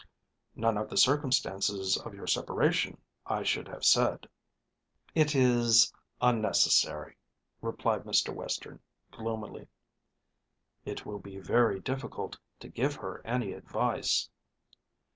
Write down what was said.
"None of the circumstances of your separation, I should have said." "It is unnecessary," replied Mr. Western, gloomily. "It will be very difficult to give her any advice."